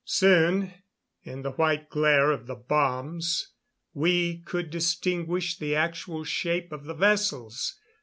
Soon, in the white glare of the bombs, we could distinguish the actual shapes of the vessels.